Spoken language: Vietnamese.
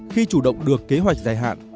khi chủ động được kế hoạch dài hạn